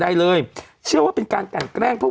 ใดเลยจะว่าเป็นการกล้งแรงพวกผม